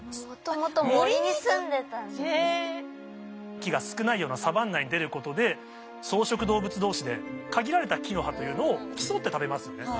木が少ないようなサバンナに出ることで草食動物同士で限られた木の葉というのを競って食べますよね。